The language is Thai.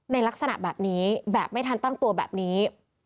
ในลักษณะแบบนี้แบบไม่ทันตั้งตัวแบบนี้